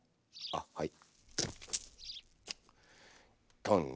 あっはい。